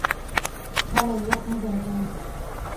هلئ! وخت مه ضایع کوئ!